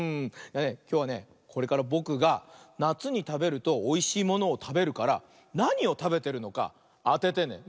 きょうはねこれからぼくがなつにたべるとおいしいものをたべるからなにをたべてるのかあててね。